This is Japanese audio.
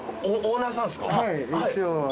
はい一応は。